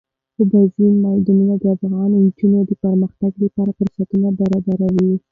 اوبزین معدنونه د افغان نجونو د پرمختګ لپاره فرصتونه برابروي.